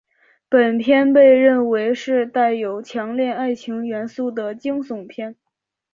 本片被认为是带有强烈爱情元素的惊悚片。